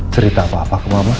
cerita apa apa ke mama